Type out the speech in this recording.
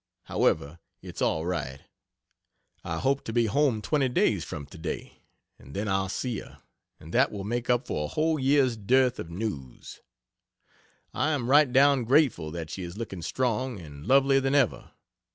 However, it's all right. I hope to be home 20 days from today, and then I'll see her, and that will make up for a whole year's dearth of news. I am right down grateful that she is looking strong and "lovelier than ever."